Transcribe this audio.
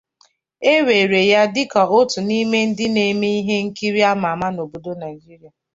E were ya dịka otu n’ime ndị na-eme ihe nkiri ama ama n’obodo Naijiria.